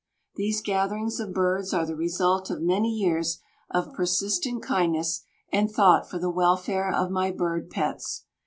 These gatherings of birds are the result of many years of persistent kindness and thought for the welfare of my bird pets.